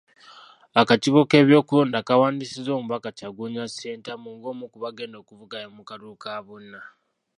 Akakiiko k'ebyokulonda kawandiisizza Omubaka Kyagulanyi Ssentamu ng'omu ku bagenda okuvuganya mu kalulu ka bonna